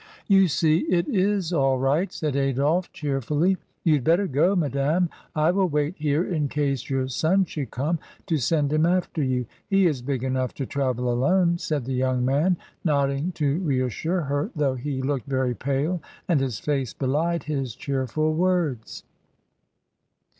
"You see it is all right!" said Adolphe, cheer fully. "You had better go, madame; I will wait here in case your son should come, to send him after you. He is big enough to travel alone," said the young man, nodding to reassure her, though he looked very pale, and his face belied his cheerful words.